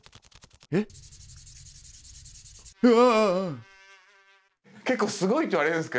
えっ？うわ！